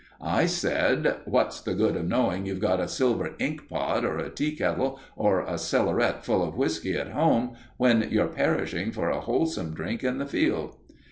I said: "What's the good of knowing you've got a silver ink pot, or a tea kettle, or a cellaret full of whisky at home, when you're perishing for a wholesome drink on the field?"